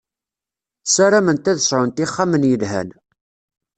Sarament ad sɛunt ixxamen yelhan.